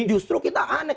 justru kita aneh